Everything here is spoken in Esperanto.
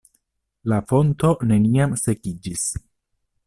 La fonto neniam sekiĝis.